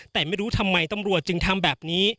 แต่ไม่รู้ทำไมตำรวจจึงทำแบบนี้